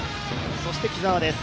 そして木澤です。